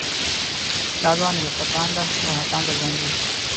دا ځوان يوه ښه تانده او هڅانده ځواني لري